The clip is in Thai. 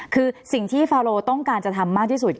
คือสิ่งที่ฟาโลต้องการจะทำมากที่สุด